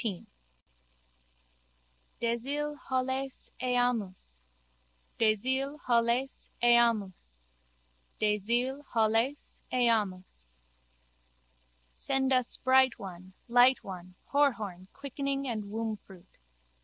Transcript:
14 ] Deshil Holles Eamus. Deshil Holles Eamus. Deshil Holles Eamus. Send us bright one, light one, Horhorn, quickening and wombfruit.